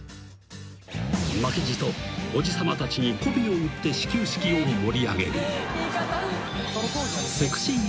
［負けじとおじさまたちにこびを売って始球式を盛り上げる］